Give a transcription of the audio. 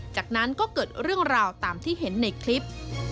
จากนั้นก็เกิดเรื่องราวตามที่เห็นในคลิป